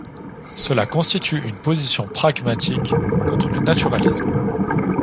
Cela constitue une position pragmatique contre le naturalisme.